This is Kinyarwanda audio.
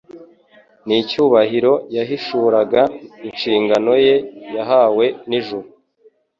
n'icyubahiro yahishuraga inshingano ye yahawe n'ijuru.